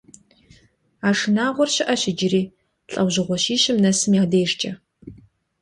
А шынагъуэр щыӀэщ иджыри лӀэужьыгъуэ щищым нэсым я дежкӀэ.